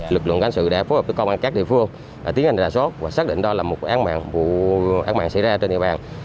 lực lượng cánh sự đã phối hợp với công an các địa phương tiến hành rà sốt và xác định đó là một vụ án mạng xảy ra trên địa bàn